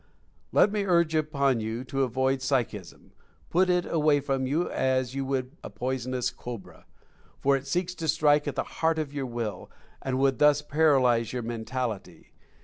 Let me urge upon you to avoid "Psychism" — put it away from you as you would a poisonous cobra, for it seeks to strike at the heart of your Will, and would thus paralyze your mentality.